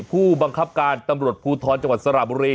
ผู้บังคับการตำรวจภูทรจังหวัดสระบุรี